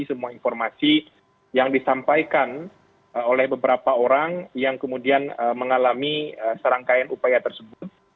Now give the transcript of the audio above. semua informasi yang disampaikan oleh beberapa orang yang kemudian mengalami serangkaian upaya tersebut